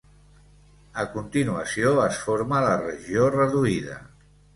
A continuació es forma la regió reduïda.